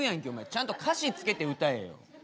ちゃんと歌詞つけて歌えよ。